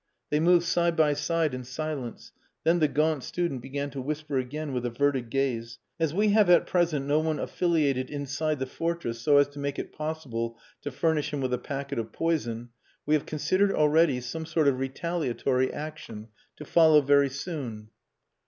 They moved side by side in silence. Then the gaunt student began to whisper again, with averted gaze "As we have at present no one affiliated inside the fortress so as to make it possible to furnish him with a packet of poison, we have considered already some sort of retaliatory action to follow very soon...."